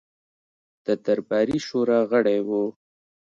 د درباري شورا غړی وو.